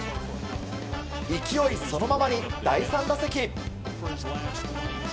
勢いそのままに、第３打席。